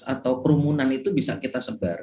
atau kerumunan itu bisa kita sebar